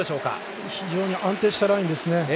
非常に安定したラインですね。